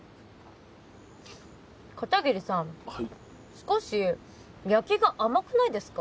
少し焼きが甘くないですか？